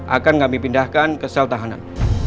akan kami pindahkan ke sel tahanan